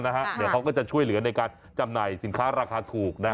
เดี๋ยวเขาก็จะช่วยเหลือในการจำหน่ายสินค้าราคาถูก